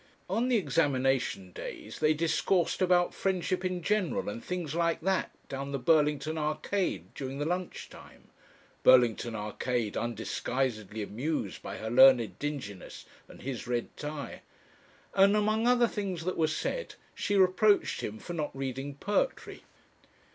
On the examination days they discoursed about Friendship in general, and things like that, down the Burlington Arcade during the lunch time Burlington Arcade undisguisedly amused by her learned dinginess and his red tie and among other things that were said she reproached him for not reading poetry.